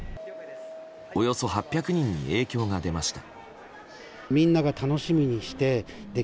およそ８００人に影響が出ました。